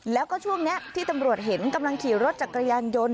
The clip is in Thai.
แล้วก็ช่วงนี้ที่ตำรวจเห็นกำลังขี่รถจักรยานยนต์